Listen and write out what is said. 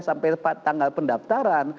sampai tanggal pendaftaran